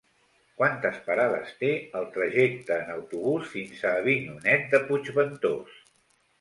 Quantes parades té el trajecte en autobús fins a Avinyonet de Puigventós?